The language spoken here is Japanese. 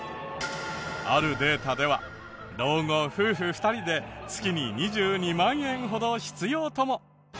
あるデータでは老後夫婦２人で月に２２万円ほど必要とも。